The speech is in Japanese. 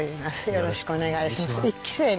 よろしくお願いします。